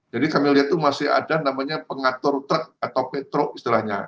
jadi kami lihat itu masih ada namanya pengatur truk atau metro istilahnya